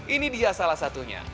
ini dia salah satunya